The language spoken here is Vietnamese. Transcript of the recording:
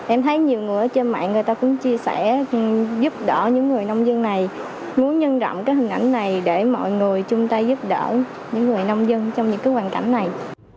em thấy nhiều người ở trên mạng người ta cũng chia sẻ giúp đỡ những người nông dân này muốn nhân rộng cái hình ảnh này để mọi người chung tay giúp đỡ những người nông dân trong những cái hoàn cảnh này